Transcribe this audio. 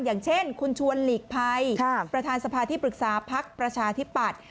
อย่างเช่นคุณชวนหลีกภัยประธานสภาที่ปรึกษาพักประชาธิปัตย์